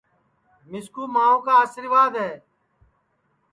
مِسکُو ماؤں کا آسرِواد ہے